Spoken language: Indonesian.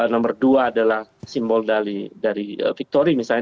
nomor dua adalah simbol dari victori misalnya